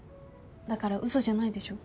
だからうそじゃないでしょ？